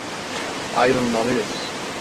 Ayrılmalıyız.